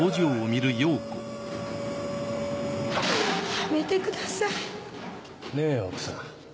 やめてください。ねぇ奥さん。